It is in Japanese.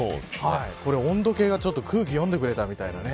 温度計が空気読んでくれたみたいなね。